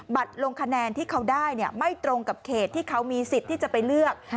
ลงคะแนนที่เขาได้ไม่ตรงกับเขตที่เขามีสิทธิ์ที่จะไปเลือก